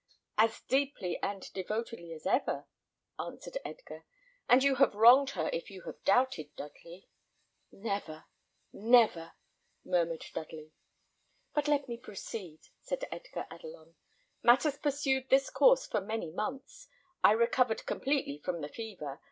"As deeply and devotedly as ever," answered Edgar; "and you have wronged her if you have doubted, Dudley." "Never, never!" murmured Dudley. "But let me proceed," said Edgar Adelon. "Matters pursued this course for many months. I recovered completely from the fever.